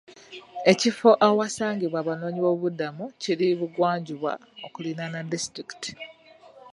Ekifo awasangibwa abanoonyiboobubudamu kiri mu bugwanjuba okuliraana disitulikiti.